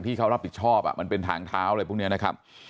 ที่เขารับผิดชอบมันเป็นทางเท้าอะไรพวกนี้นะครับ